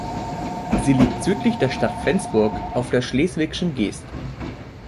Sie liegt südlich der Stadt Flensburg auf der Schleswigschen Geest.